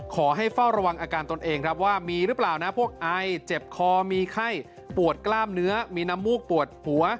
ขอให้เฝ้าระวังอาการตนเองครับว่ามีหรือเปล่านะพวกไอเจ็บคอมีไข้ปวดกล้ามเนื้อมีน้ำมูกปวดหัว